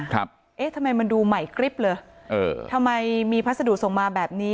เอ๊ะทำไมมันดูใหม่กริ๊บเลยเออทำไมมีพัสดุส่งมาแบบนี้